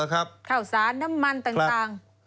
ข้าวสารน้ำมันต่าง